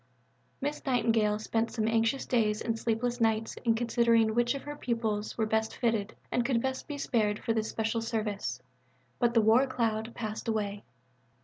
Miss Nightingale spent some anxious days and sleepless nights in considering which of her pupils were best fitted and could best be spared for this special service, but the war cloud passed away.